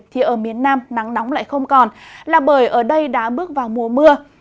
thì ở miền nam nắng nóng lại không còn là bởi ở đây đã bước vào mùa mưa